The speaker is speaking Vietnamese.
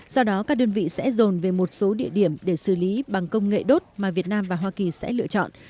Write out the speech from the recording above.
do đó các đơn vị sẽ dồn về một số địa điểm để xử lý bằng công nghệ đốt mà việt nam và hoa kỳ sẽ lựa chọn